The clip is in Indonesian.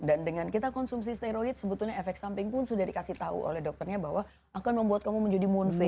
dan dengan kita konsumsi steroid sebetulnya efek samping pun sudah dikasih tahu oleh dokternya bahwa akan membuat kamu menjadi moon face